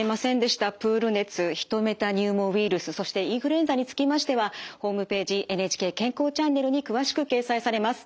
プール熱ヒトメタニューモウイルスそしてインフルエンザにつきましてはホームページ「ＮＨＫ健康チャンネル」に詳しく掲載されます。